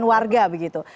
dan warga begitu